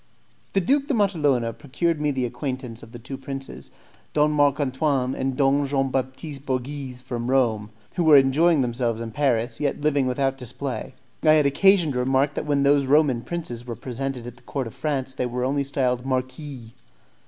The Duke de Matalona procured me the acquaintance of the two princes, Don Marc Antoine and Don Jean Baptiste Borghese, from Rome, who were enjoying themselves in Paris, yet living without display. I had occasion to remark that when those Roman princes were presented at the court of France they were only styled "marquis."